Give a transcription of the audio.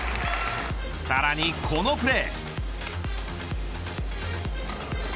さらにこのプレー。